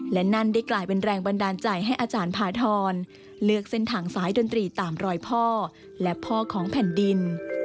และนั่นได้กลายเป็นแรงบันดาลใจให้อาจารย์พาทรเลือกเส้นทางสายดนตรีตามรอยพ่อและพ่อของแผ่นดิน